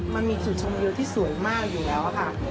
มันมีจุดชมวิวที่สวยมากอยู่แล้วค่ะ